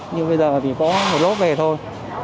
nhưng bây giờ thì có một lốt về thôi